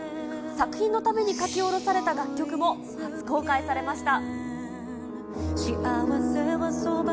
作品のために書き下ろされた楽曲も初公開されました。